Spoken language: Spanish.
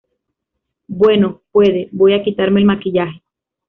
bueno, puede. voy a quitarme el maquillaje.